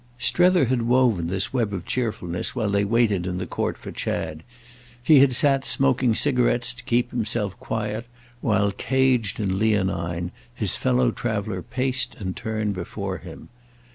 Strether had woven this web of cheerfulness while they waited in the court for Chad; he had sat smoking cigarettes to keep himself quiet while, caged and leonine, his fellow traveller paced and turned before him.